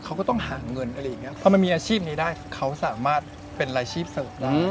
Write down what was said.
เขาก็ต้องหาเงินอะไรอย่างเงี้พอมันมีอาชีพนี้ได้เขาสามารถเป็นรายชื่อเสิร์ฟได้